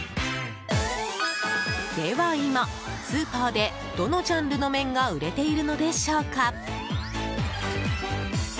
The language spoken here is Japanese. では、今、スーパーでどのジャンルの麺が売れているのでしょうか。